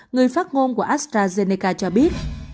người phát ngôn của astrazeneca cho biết